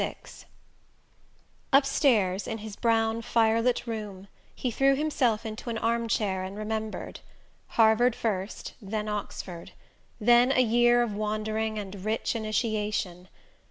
VI Upstairs, in his brown firelit room, he threw himself into an armchair, and remembered... Harvard first then Oxford; then a year of wandering and rich initiation.